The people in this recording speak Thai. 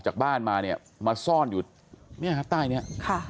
ชาวบ้านมาเนี่ยมาซ่อนอยู่นี่ครับใต้เนี่ย